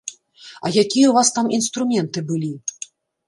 А якія ў вас там інструменты былі?